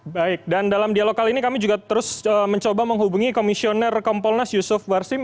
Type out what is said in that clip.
baik dan dalam dialog kali ini kami juga terus mencoba menghubungi komisioner kompolnas yusuf warsim